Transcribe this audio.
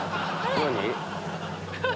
何？